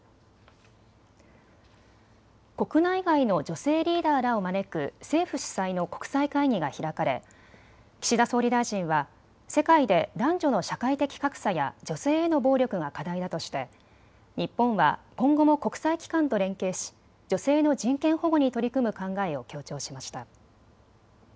国内外の女性リーダーらを招く政府主催の国際会議が開かれ岸田総理大臣は世界で男女の社会的格差や女性への暴力が課題だとして日本は今後も国際機関と連携し女性の人権保護に取り組む考えを強調しました。